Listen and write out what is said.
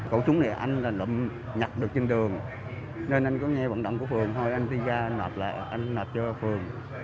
cổ súng này anh là nhập được trên đường nên anh có nghe vận động của phường thôi anh đi ra anh nộp lại anh nộp cho phường